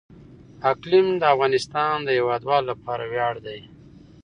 اقلیم د افغانستان د هیوادوالو لپاره ویاړ دی.